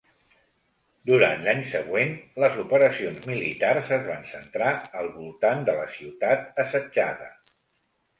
Durant l'any següent, les operacions militars es van centrar al voltant de la ciutat assetjada.